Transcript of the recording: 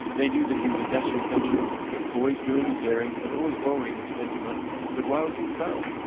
They knew that he was a dashing adventurer, always doing and daring, and always borrowing and spending money. But why was he in the barrel.''